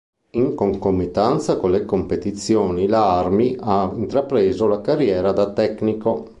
In concomitanza con le competizioni la Armi ha intrapreso la carriera da Tecnico.